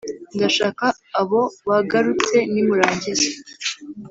ndashaka abo bagarutse nimurangiza